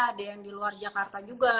ada yang di luar jakarta juga